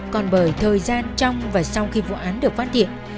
còn bởi thời gian trong và sau khi vụ án được phát hiện